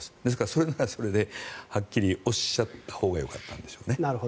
それならそれではっきりおっしゃったほうがよかったんでしょうね。